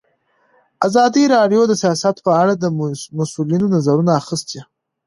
ازادي راډیو د سیاست په اړه د مسؤلینو نظرونه اخیستي.